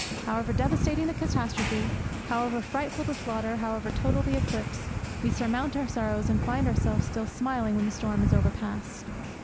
However devastating the catastrophe, however frightful the slaughter, however total the eclipse, we surmount our sorrows and find ourselves still smiling when the storm is overpast.